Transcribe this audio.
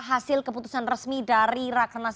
hasil keputusan resmi dari rakenas